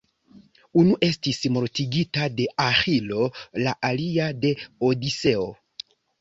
Unu estis mortigita de Aĥilo, la alia de Odiseo.